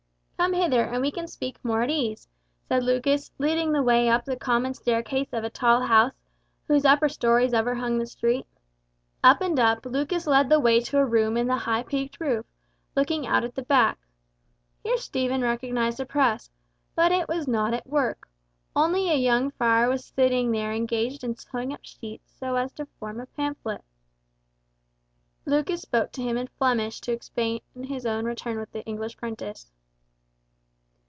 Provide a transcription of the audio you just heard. "Come in hither, and we can speak more at ease," said Lucas, leading the way up the common staircase of a tall house, whose upper stories overhung the street. Up and up, Lucas led the way to a room in the high peaked roof, looking out at the back. Here Stephen recognised a press, but it was not at work, only a young friar was sitting there engaged in sewing up sheets so as to form a pamphlet. Lucas spoke to him in Flemish to explain his own return with the English prentice.